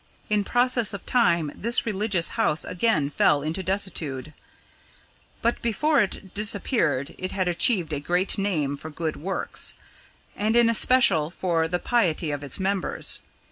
In process of time this religious house again fell into desuetude; but before it disappeared it had achieved a great name for good works, and in especial for the piety of its members.